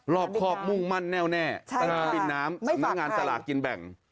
รอบครอบมุ่งมั่นแน่วแน่สนามบินน้ำสำนักงานสลากกินแบ่ง